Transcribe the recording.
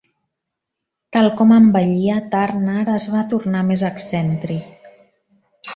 Tal com envellia, Turner es va tornar més excèntric.